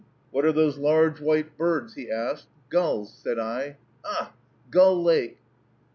"What are those large white birds?" he asked. "Gulls," said I. "Ugh! Gull Lake."